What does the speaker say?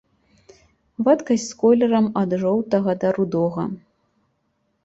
Вадкасць з колерам ад жоўтага да рудога.